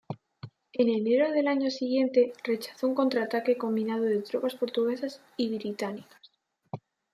En enero del año siguiente rechazó un contrataque combinado de tropas portuguesas y británicas.